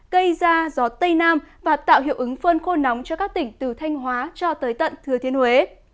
gây ra gió tây nam và tạo hiệu ứng phơn khô nóng cho các tỉnh từ thanh hóa cho tới tận thừa thiên huế